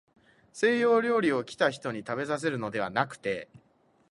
西洋料理を、来た人にたべさせるのではなくて、